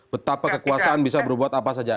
betapa kekuasaan bisa berbuat apa saja